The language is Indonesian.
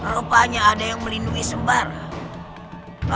rupanya ada yang melindungi sembarang